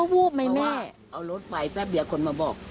เพราะว่าเอารถไปแป๊บเดียวคนมาบอก